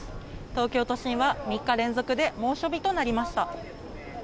東京都心は３日連続で猛暑日となりました。